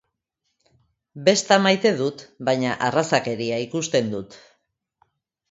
Besta maite dut, baina arrazakeria ikusten dut.